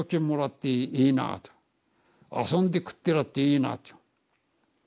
「遊んで食ってらっていいな」っていう。